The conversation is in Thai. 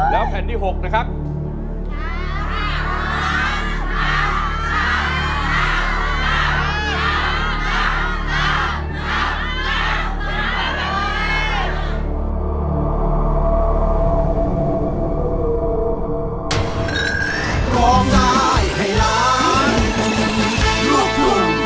แล้วแผ่นที่๖นะครับ